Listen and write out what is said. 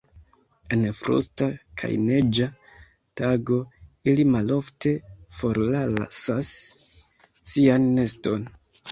En frosta kaj neĝa tago ili malofte forlasas sian neston.